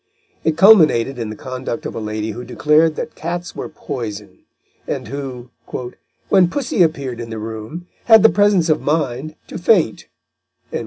It culminated in the conduct of a lady who declared that cats were poison, and who, "when pussy appeared in the room, had the presence of mind to faint."